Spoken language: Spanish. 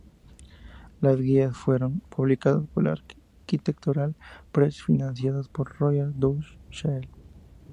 Las guías fueron publicadas por la Architectural Press y financiadas por Royal Dutch Shell.